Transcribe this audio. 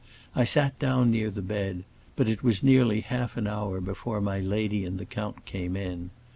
I sat down near the bed, but it was nearly half an hour before my lady and the count came in.